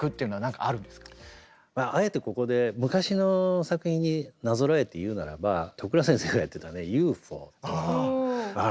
あえてここで昔の作品になぞらえて言うならば都倉先生がやってたね「ＵＦＯ」。